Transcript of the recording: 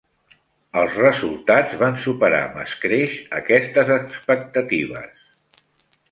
Els resultats van superar amb escreix aquestes expectatives.